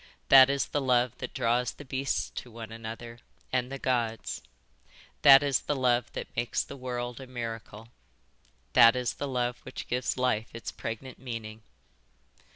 That is the love that draws the beasts to one another, and the Gods. That is the love that makes the world a miracle. That is the love which gives life its pregnant meaning.